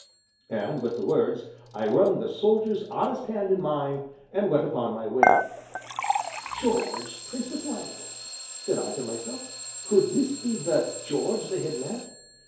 And, with the words, I wrung the soldier's honest hand in mine, and went upon my way. "George, Prince of Wales!" said I to myself; "could this be the 'George' they had meant?